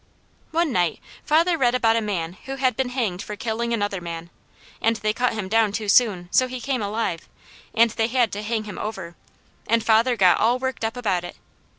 One night father read about a man who had been hanged for killing another man, and they cut him down too soon, so he came alive, and they had to hang him over; and father got all worked up about it.